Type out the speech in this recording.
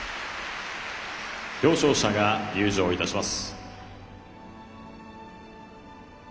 表彰者が入場いたします。